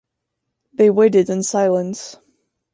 They waited in silence.